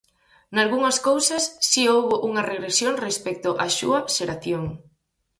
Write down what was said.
Nalgunhas cousas si houbo unha regresión respecto á súa xeración.